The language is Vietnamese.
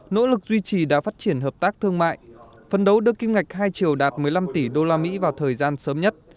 nỗ lực duy trì đá phát triển hợp tác thương mại phân đấu đưa kim ngạch hai triệu đạt một mươi năm tỷ usd vào thời gian sớm nhất